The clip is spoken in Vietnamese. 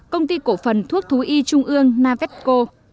công ty cổ phần thuốc thú y trung ương navesco